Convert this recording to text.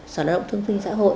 sở lao động thương sinh xã hội